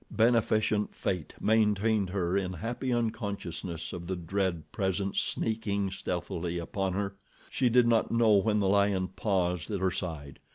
Beneficent Fate maintained her in happy unconsciousness of the dread presence sneaking stealthily upon her. She did not know when the lion paused at her side.